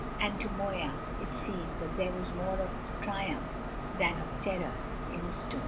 And to Moya it seemed that there was more of triumph than of terror in his tone.